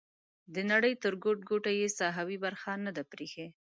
د نړۍ تر ګوټ ګوټه یې ساحوي برخه نه ده پریښې.